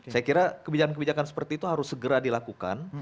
saya kira kebijakan kebijakan seperti itu harus segera dilakukan